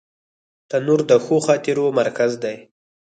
تنور د ښو خاطرو مرکز دی